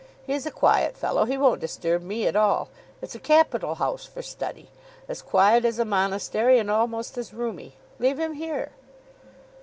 He's a quiet fellow. He won't disturb me at all. It's a capital house for study. As quiet as a monastery, and almost as roomy. Leave him here.